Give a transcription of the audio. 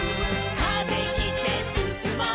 「風切ってすすもう」